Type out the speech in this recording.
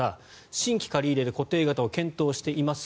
新規借り入れで固定型を検討しています